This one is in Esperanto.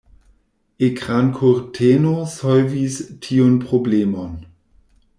Ekrankurteno solvis tiun problemon.